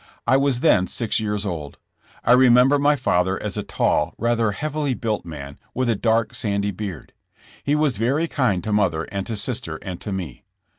I was then six years old. I remember my father as a tall, rather heavily built man, with a dark sandy beard. He was very kind to mother and to sister and to me.